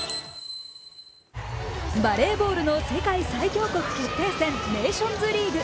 バレーボールの世界最強国決定戦ネーションズリーグ。